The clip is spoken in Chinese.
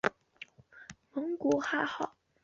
蒙古汗号完泽笃可汗。